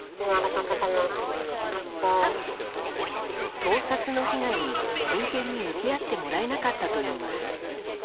盗撮の被害に、真剣に向き合ってもらえなかったといいます。